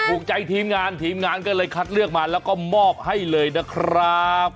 ถูกใจทีมงานทีมงานก็เลยคัดเลือกมาแล้วก็มอบให้เลยนะครับ